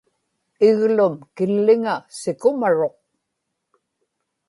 iglum killiŋa sikumaruq